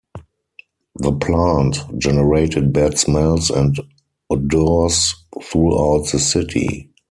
The plant generated bad smells and odours throughout the city.